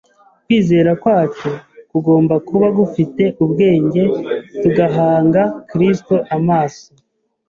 Kwizera kwacu kugomba kuba gufite ubwenge tugahanga Kristo amaso